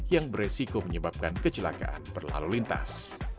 yang beresiko menyebabkan kecelakaan berlalu lintas